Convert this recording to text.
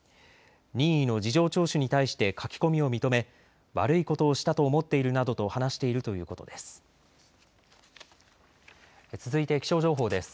任意の事情聴取に対して書き込みを認め悪いことをしたと思っているなどと話しているということです。